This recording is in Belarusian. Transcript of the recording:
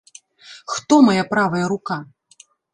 Хто мая правая рука?